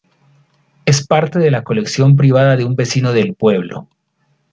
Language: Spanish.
Es parte de la colección privada de un vecino del pueblo.